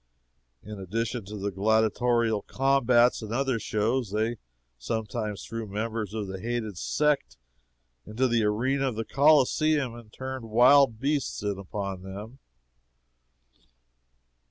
In addition to the gladiatorial combats and other shows, they sometimes threw members of the hated sect into the arena of the Coliseum and turned wild beasts in upon them.